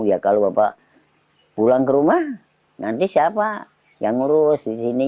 ya kalau bapak pulang ke rumah nanti siapa yang ngurus di sini